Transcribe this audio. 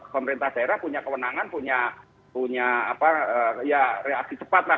pemerintah daerah punya kewenangan punya reaksi cepat lah